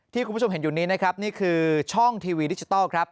คุณผู้ชมเห็นอยู่นี้นะครับนี่คือช่องทีวีดิจิทัลครับ